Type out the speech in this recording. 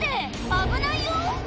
危ないよ